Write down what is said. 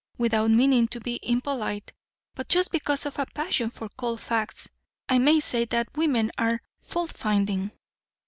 Without meaning to be impolite, but just because of a passion for cold facts, I may say that women are faultfinding."